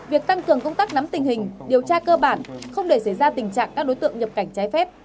việc tăng cường công tác nắm tình hình điều tra cơ bản không để xảy ra tình trạng các đối tượng nhập cảnh trái phép